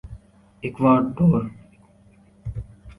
Ecuador